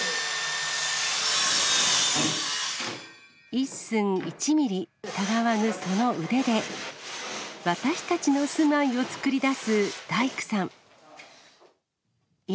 １寸１ミリたがわぬその腕で、私たちの住まいを作り出す大工さん。